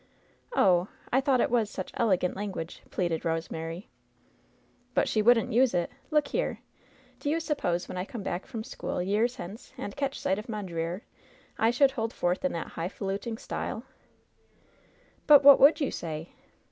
"Oh! I thought it was such elegant language!" pleaded Rosemary. "But she wouldn't use it ! Look here ! Do you sup pose, when I come back from school, years hence, and catch sight of Mondreer, I should hold forth in that hif aluting style ?" "But what would you say?"